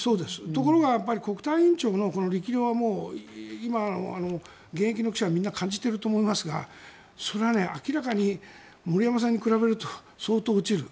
ところが国対委員長の力量は、今の現役の記者はみんな感じていると思いますがそれは明らかに森山さんに比べると相当落ちる。